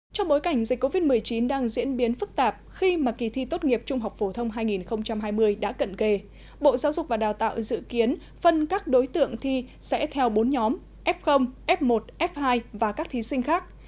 trong bối cảnh dịch covid một mươi chín đang diễn biến phức tạp khi mà kỳ thi tốt nghiệp trung học phổ thông hai nghìn hai mươi đã cận kề bộ giáo dục và đào tạo dự kiến phân các đối tượng thi sẽ theo bốn nhóm f f một f hai và các thí sinh khác